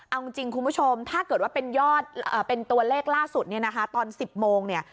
เอาจริงคุณผู้ชมถ้าเกิดว่าเป็นตัวเลขล่าสุดตอน๑๐โมง